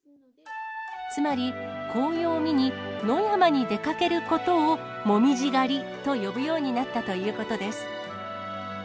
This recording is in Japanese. つまり、紅葉を見に、野山に出かけることを紅葉狩りと呼ぶようになったということです。